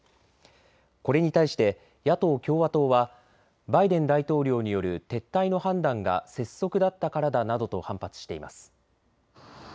これに対して野党・共和党はバイデン大統領による撤退の判断が拙速だったからだなどと反発しています。